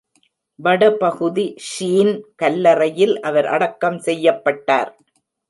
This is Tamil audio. வடபகுதி ஷீன் கல்லறையில் அவர் அடக்கம் செய்யப்பட்டார்.